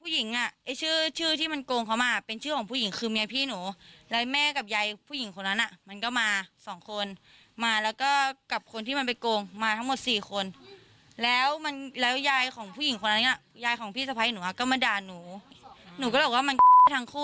หนูทั้งคู่แหละหนูรู้ไม่ต้องบอกหรอกว่าพี่หนู